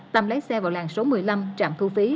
tầm lái xe vào làng số một mươi năm trạm thu phí